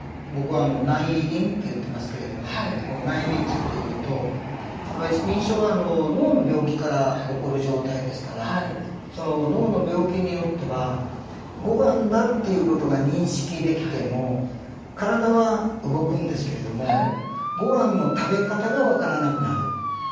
僕は内因って言ってますけれども内因について言うと認知症は脳の病気から起こる状態ですから脳の病気によってはごはんだっていう事が認識できても体は動くんですけれどもごはんの食べ方が分からなくなる。